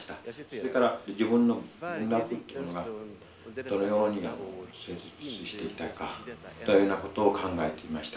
それから自分の文学というのがどのように成立していたかというようなことを考えていました。